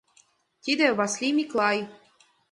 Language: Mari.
Тиде — Васлий Миклай.